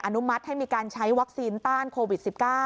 นุมัติให้มีการใช้วัคซีนต้านโควิด๑๙